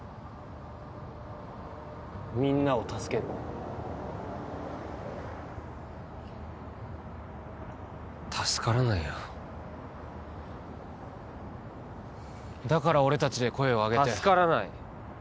みんなを助ける助からないよだから俺達で声を上げて助からない